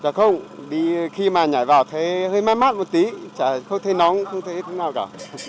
dạ không khi mà nhảy vào thấy hơi mát mát một tí không thấy nóng không thấy thế nào cả